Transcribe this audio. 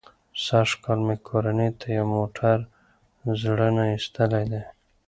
سږ کال مې کورنۍ ته یو موټر زړه نه ایستلی دی.